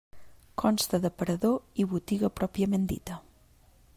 Consta d'aparador i botiga pròpiament dita.